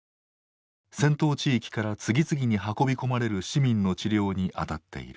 戦闘地域から次々に運び込まれる市民の治療にあたっている。